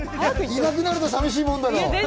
いなくなると寂しいもんだろ？